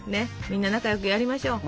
みんな仲良くやりましょう。